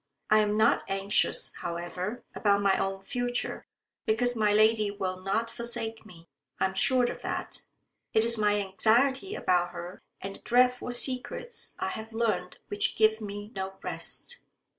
I am not anxious, however, about my own future, because my lady will not forsake me. I am sure of that. It is my anxiety about her and the dreadful secrets I have learned which give me no rest."